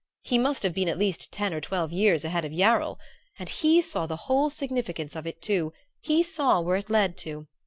He must have been at least ten or twelve years ahead of Yarrell; and he saw the whole significance of it, too he saw where it led to.